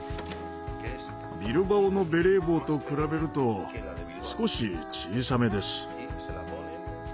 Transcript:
ビルバオのベレー帽と比べると少し小さめです。